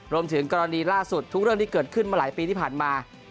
รวมถึงกรณีล่าสุดทุกเรื่องที่เกิดขึ้นมาหลายปีที่ผ่านมา